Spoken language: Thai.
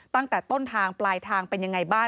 ตั้งแต่ต้นทางปลายทางเป็นยังไงบ้าง